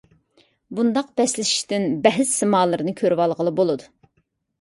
بۇنداق بەسلىشىشتىن بەھىس سىمالىرىنى كۆرۈۋالغىلى بولىدۇ.